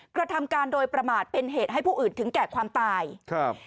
กระทำการโดยประมาทเป็นเหตุให้ผู้อื่นถึงแก่ความตายครับ